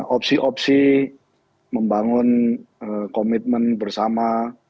opsi opsi membangun komitmen bersama